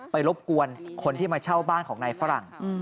รบกวนคนที่มาเช่าบ้านของนายฝรั่ง